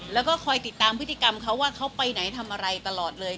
แล้วก็คอยติดตามพฤติกรรมเขาว่าเขาไปไหนทำอะไรตลอดเลย